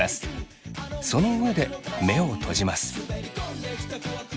その上で目を閉じます。